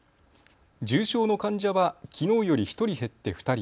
重症の患者はきのうより１人減って２人。